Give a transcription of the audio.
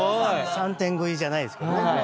三点食いじゃないですけどね。